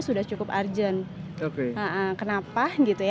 sudah cukup urgent